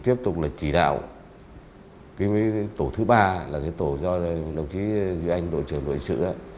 tiếp tục là chỉ đạo tổ thứ ba là tổ do đồng chí duy anh đội trưởng đối xử